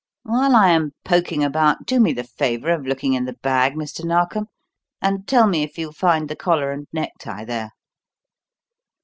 While I am poking about, do me the favour of looking in the bag, Mr. Narkom; and tell me if you find the collar and necktie there."